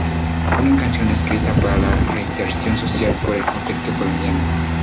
Una canción escrita para la reinserción social por el conflicto colombiano.